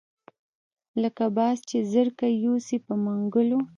لکه باز چې زرکه یوسي په منګلو